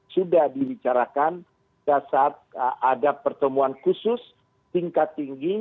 sudah dibicarakan pada saat ada pertemuan khusus tingkat tinggi